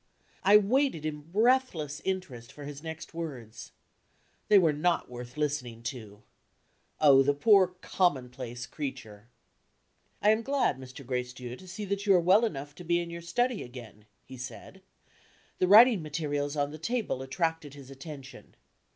I waited, in breathless interest, for his next words. They were not worth listening to. Oh, the poor commonplace creature! "I am glad, Mr. Gracedieu, to see that you are well enough to be in your study again," he said. The writing materials on the table attracted his attention.